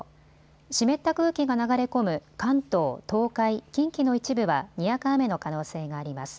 湿った空気が流れ込む関東、東海、近畿の一部はにわか雨の可能性があります。